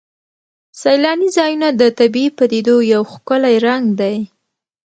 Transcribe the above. سیلاني ځایونه د طبیعي پدیدو یو ښکلی رنګ دی.